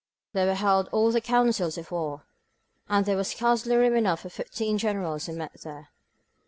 There were held all the councils of war, and there was scarcely room enough for the fifteen Generals who met there.